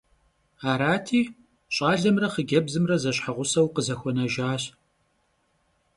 Arati, ş'alemre xhıcebzımre zeşheğuseu khızexuenejjaş.